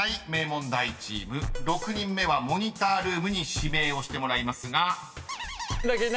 ［６人目はモニタールームに指名をしてもらいますが］